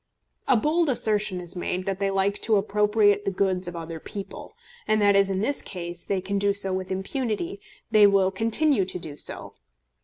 A bold assertion is made that they like to appropriate the goods of other people; and that, as in this case, they can do so with impunity, they will continue to do so.